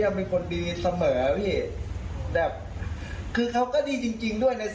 ทำไมมันไม่ได้อย่างนี้วะ